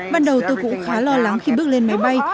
ban đầu tôi cũng khá lo lắng khi bước lên máy bay